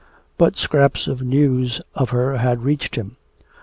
But scraps of news of her had reached him.